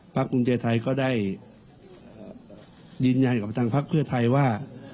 ภักดิ์ภูมิใจไทยก็ได้ยินยันกับตังค์ภักดิ์เพื่อไทยว่า